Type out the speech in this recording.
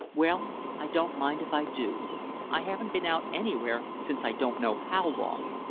"Well, I don't mind if I do. I haven't been out anywhere since I don't know how long."